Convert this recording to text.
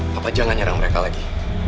bapak jangan nyerang mereka lagi